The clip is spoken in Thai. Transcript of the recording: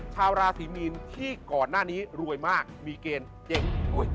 ชาวราศีมีนที่ก่อนหน้านี้รวยมากมีเกณฑ์เจ๋ง